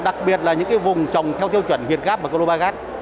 đặc biệt là những cái vùng trồng theo tiêu chuẩn huyền gáp và cô lô ba gác